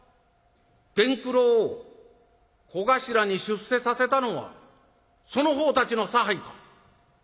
伝九郎を小頭に出世させたのはその方たちの差配か？」。